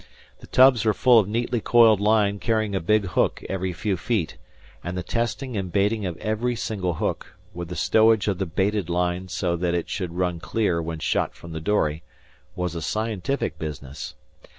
The tubs were full of neatly coiled line carrying a big hook each few feet; and the testing and baiting of every single hook, with the stowage of the baited line so that it should run clear when shot from the dory, was a scientific business.